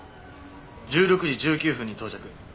１６時１９分に到着。